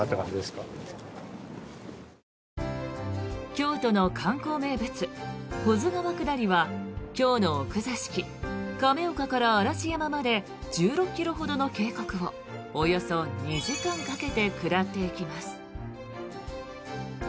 京都の観光名物、保津川下りは京の奥座敷・亀岡から嵐山まで１６ｋｍほどの渓谷をおよそ２時間かけて下っていきます。